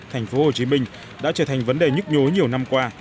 thành phố hồ chí minh đã trở thành vấn đề nhức nhối nhiều năm qua